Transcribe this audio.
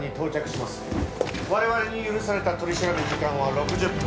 我々に許された取り調べ時間は６０分。